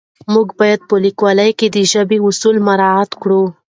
موږ باید په لیکلو کې د ژبې اصول مراعت کړو